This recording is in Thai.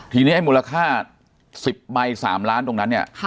ทีนี้ไอ้มูลค่า๑๐ใบ๓ล้านตรงนั้นเนี่ย